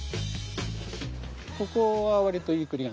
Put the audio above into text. ここはわりといい栗が。